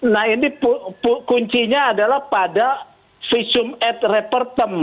nah ini kuncinya adalah pada visum at repertem